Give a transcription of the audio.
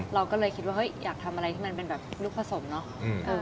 เราก็เลยคิดว่าเฮ้ยอยากทำอะไรที่มันเป็นแบบลูกผสมเนาะ